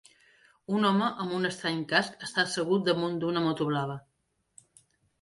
Un home amb un estrany casc està assegut damunt d'una moto blava.